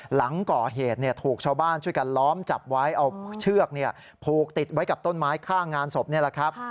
หลังก่อเหตุถูกชาวบ้านช่วยกันล้อมจับไว้เอาเชือกผูกติดไว้กับต้นไม้ข้างงานศพนี่แหละครับ